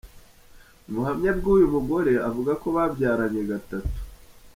Mu buhamya bw’uyu mugore avuga ko babyaranye gatatu.